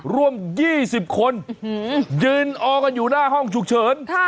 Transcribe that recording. ร่วม๒๐คนยืนออกันอยู่หน้าห้องฉุกเฉิน